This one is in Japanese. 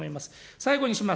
最後にします。